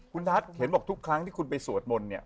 คุณทัศน์เห็นบอกทุกครั้งที่คุณไปสวดมนต์เนี่ย